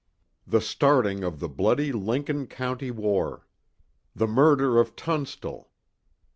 THE STARTING OF THE BLOODY LINCOLN COUNTY WAR. THE MURDER OF TUNSTALL.